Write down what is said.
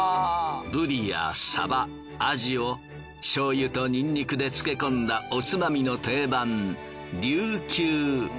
ブリやサバアジを醤油とニンニクで漬け込んだおつまみの定番りゅうきゅう。